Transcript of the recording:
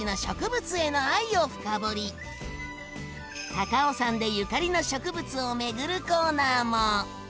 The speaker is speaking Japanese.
高尾山でゆかりの植物を巡るコーナーも。